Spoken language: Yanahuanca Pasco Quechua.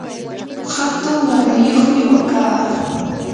hatun waqrayuqmi wakaa.